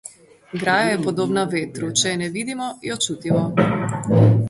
Graja je podobna vetru: če je ne vidimo, jo čutimo.